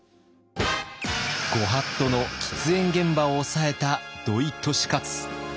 ご法度の喫煙現場を押さえた土井利勝！